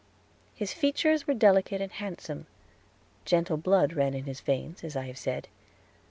His features were delicate and handsome; gentle blood ran in his veins, as I have said.